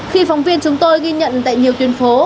khi phóng viên chúng tôi ghi nhận tại nhiều tuyến phố